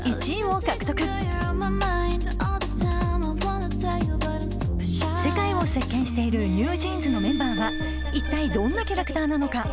ｎｄＥＰでは世界を席巻しているＮｅｗＪｅａｎｓのメンバーは一体どんなキャラクターなのか？